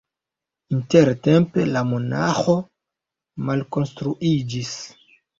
Intertempe la monaĥo malkonstruiĝis.